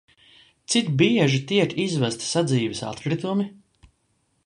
Cik bieži tiek izvesti sadzīves atkritumi?